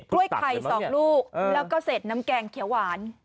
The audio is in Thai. ้วยไข่๒ลูกแล้วก็เศษน้ำแกงเขียวหวาน